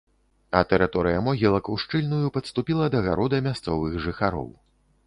А тэрыторыя могілак ушчыльную падступіла да гарода мясцовых жыхароў.